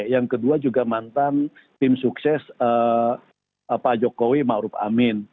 yang kedua juga mantan tim sukses pak jokowi ma'ruf amin